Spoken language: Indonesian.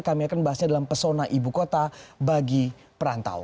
kami akan membahasnya dalam pesona ibu kota bagi perantau